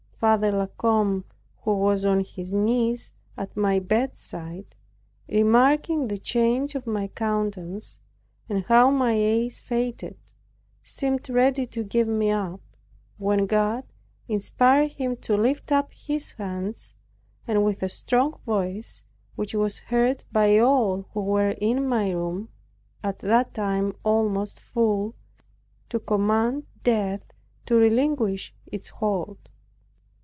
Father La Combe, who was on his knees at my bedside, remarking the change of my countenance, and how my eyes faded, seemed ready to give me up, when God inspired him to lift up his hands, and with a strong voice, which was heard by all who were in my room, at that time almost full, to command death to relinquish its hold.